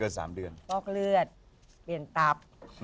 เพราะแอนจะต้องปลอกเลือดเปลี่ยนตับ